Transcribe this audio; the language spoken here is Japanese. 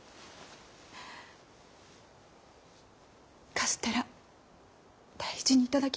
カステラ大事に頂きましょうね。